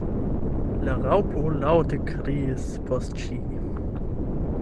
La Raŭpo laŭte kriis post ŝi.